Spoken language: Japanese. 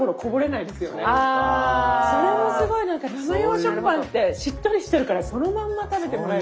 それもすごいなんか生用食パンってしっとりしてるからそのまんま食べてもらえる。